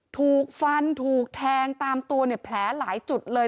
ถูกฟันถูกแทงตามตัวเนี่ยแผลหลายจุดเลย